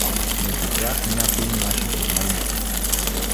Между тях някои наши познайници.